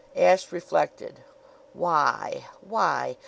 Ashe reflected. "Why? Why?